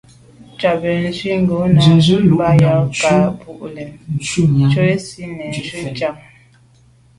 Ndiagbin ywîd ngɔ̂nɑ̀ bɑhɑ kà, mbolə, ntswənsi nə̀ jú chànŋ.